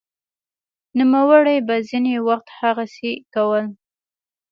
نوموړي به ځیني وخت هغسې کول